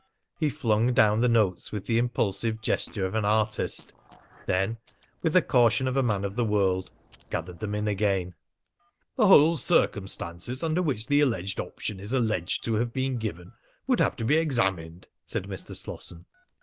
He flung down the notes with the impulsive gesture of an artist; then, with the caution of a man of the world, gathered them in again. "The whole circumstances under which the alleged option is alleged to have been given would have to be examined," said Mr. Slosson.